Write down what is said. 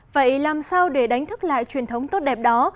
vậy làm sao để đánh thức lại truyền thống tốt đẹp đó